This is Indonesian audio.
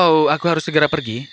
oh aku harus segera pergi